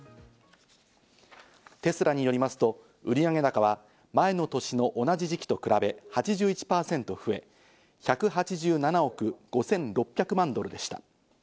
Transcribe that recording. テスラによりますと、売上高は前の年の同じ時期と比べ８１％増え、１８７億５６００万ドルでした。